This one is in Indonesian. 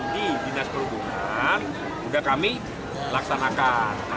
di dinas perhubungan juga kami laksanakan